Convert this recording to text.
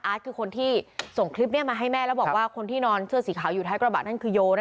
คือคนที่ส่งคลิปนี้มาให้แม่แล้วบอกว่าคนที่นอนเสื้อสีขาวอยู่ท้ายกระบะนั่นคือโยนะ